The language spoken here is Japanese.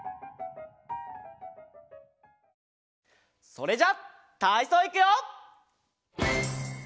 それじゃたいそういくよ！